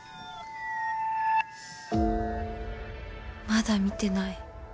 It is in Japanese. まだ見てない。